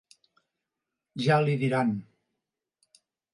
Ja li diran.